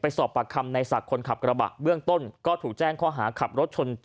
สอบปากคำในศักดิ์คนขับกระบะเบื้องต้นก็ถูกแจ้งข้อหาขับรถชน